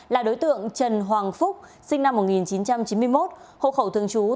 là đối tượng trần hoàng phúc sinh năm một nghìn chín trăm chín mươi một hộ khẩu thương chú